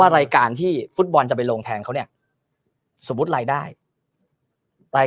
รายการที่ฟุตบอลจะไปลงแทนเขาเนี่ยสมมุติรายได้ราย